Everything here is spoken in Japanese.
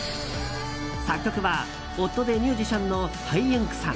作曲は、夫でミュージシャンのハイユンクさん。